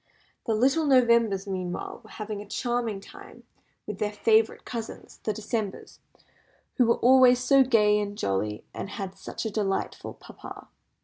The little Novembers, meanwhile, were having a charming time with their favourite cousins, the Decembers, who were always so gay and jolly, and had such a delightful papa.